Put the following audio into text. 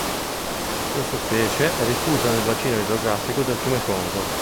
Questa specie è diffusa nel bacino idrografico del fiume Congo.